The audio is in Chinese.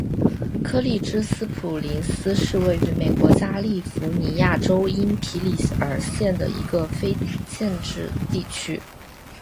柯立芝斯普林斯是位于美国加利福尼亚州因皮里尔县的一个非建制地区。